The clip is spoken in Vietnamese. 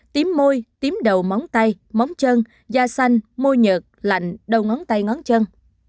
chín tím môi tím đầu móng tay móng chân da xanh môi nhợt lạnh đâu ngón tay ngón chân